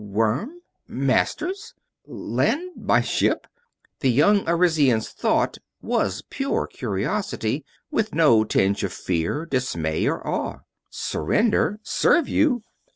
"Worm? Masters? Land my ship?" The young Arisian's thought was pure curiosity, with no tinge of fear, dismay, or awe. "Surrender? Serve you?